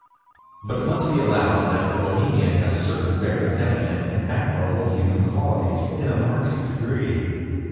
But it must be allowed that the Bohemian has certain very definite and admirable human qualities in a marked degree.